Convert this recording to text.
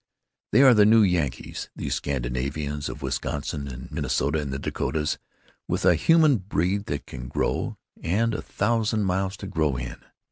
They are the New Yankees, these Scandinavians of Wisconsin and Minnesota and the Dakotas, with a human breed that can grow, and a thousand miles to grow in.